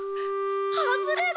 「はずれ」だ！